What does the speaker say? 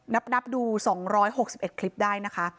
นับดู๒๖๑คลิปได้นะคะ